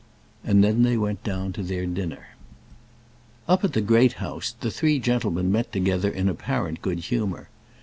And then they went down to their dinner. Up at the Great House the three gentlemen met together in apparent good humour.